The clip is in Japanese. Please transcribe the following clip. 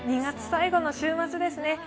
２月最後の週末ですね。